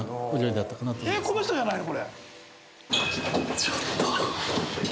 この人じゃないの？